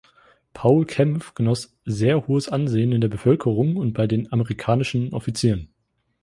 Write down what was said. Paul Kämpf genoss sehr hohes Ansehen in der Bevölkerung und bei den amerikanischen Offizieren.